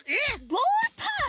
ボールパス！